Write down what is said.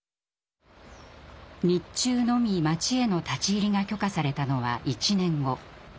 日中のみ町への立ち入りが許可されたのは１年後。